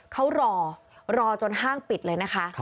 เขารอรอจนห้างปิดเลยนะคะ